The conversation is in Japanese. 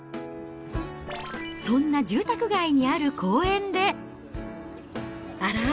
そんな住宅街にある公園で、あら？